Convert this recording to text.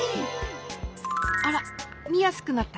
あらみやすくなった。